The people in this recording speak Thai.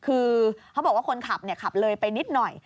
คือเขาบอกว่าคนขับขับเลยไปนิดหน่อย